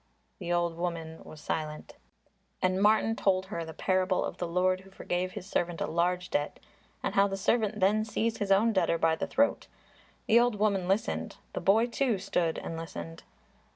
The old woman was silent. And Martin told her the parable of the Lord who forgave his servant a large debt and how the servant then seized his own debtor by the throat. The old woman listened; the boy, too, stood and listened.